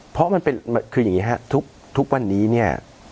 เพราะมันเป็นคืออย่างนี้ครับทุกวันนี้เนี่ย